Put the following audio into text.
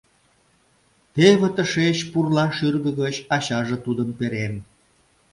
Теве тышеч, пурла шӱргӧ гыч, ачаже тудым перен...